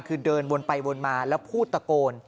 คือเดินวนไปวนมาแล้วพูดตะโกน